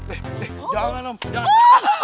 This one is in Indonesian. eh jangan om jangan